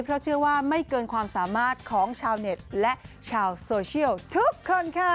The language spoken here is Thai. เพราะเชื่อว่าไม่เกินความสามารถของชาวเน็ตและชาวโซเชียลทุกคนค่ะ